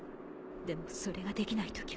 でもそれができない時は。